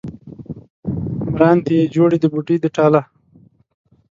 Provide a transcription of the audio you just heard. مراندې یې جوړې د بوډۍ د ټاله